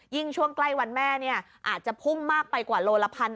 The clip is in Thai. ช่วงใกล้วันแม่อาจจะพุ่งมากไปกว่าโลละพัน